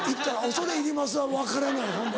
恐れ入りますは分からない。